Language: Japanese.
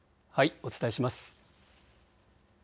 お伝えします。